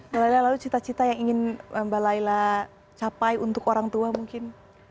mbak layla lalu cita cita yang ingin mbak layla capai untuk orang tua mungkin